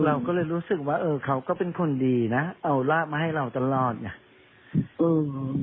เราก็เลยรู้สึกว่าเออเขาก็เป็นคนดีนะเอาราบมาให้เราตลอดไงอืม